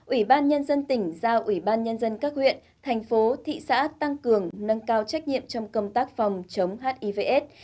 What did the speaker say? ủy ban nhân dân tỉnh giao ủy ban nhân dân các huyện thành phố thị xã tăng cường nâng cao trách nhiệm trong công tác phòng chống hivs